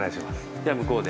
じゃあ向こうで。